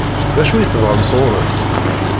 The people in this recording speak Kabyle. D acu i tebɣam sɣur-s?